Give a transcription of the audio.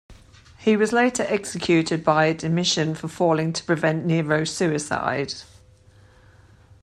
He was later executed by Domitian for failing to prevent Nero's suicide.